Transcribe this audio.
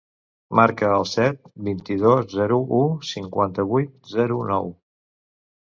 Marca el set, vint-i-dos, zero, u, cinquanta-vuit, zero, nou.